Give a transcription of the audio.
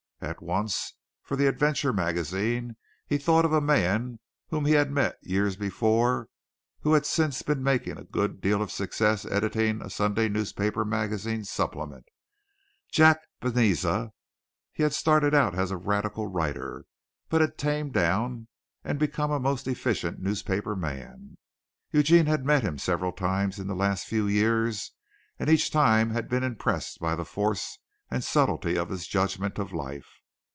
At once, for the adventure magazine, he thought of a man whom he had met years before who had since been making a good deal of a success editing a Sunday newspaper magazine supplement, Jack Bezenah. He had started out to be a radical writer, but had tamed down and become a most efficient newspaper man. Eugene had met him several times in the last few years and each time had been impressed by the force and subtlety of his judgment of life.